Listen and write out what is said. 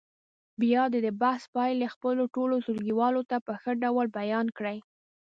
بیا دې د بحث پایلې خپلو ټولو ټولګیوالو ته په ښه ډول بیان کړي.